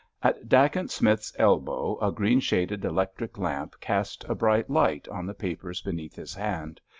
At Dacent Smith's elbow a green shaded electric lamp cast a bright light on the papers beneath his hand.